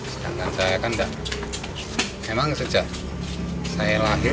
sekarang saya kan emang sejak saya lahir